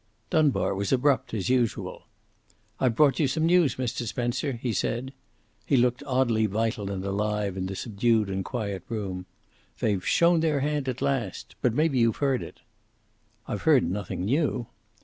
Dunbar was abrupt, as usual. "I've brought you some news, Mr. Spencer," he said. He looked oddly vital and alive in the subdued and quiet room. "They've shown their hand at last. But maybe you've heard it." "I've heard nothing new."